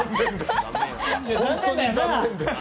本当に残念です。